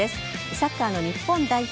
サッカーの日本代表